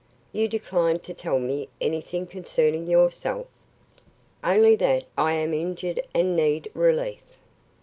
"You decline to tell me anything concerning yourself?" "Only that I am injured and need relief."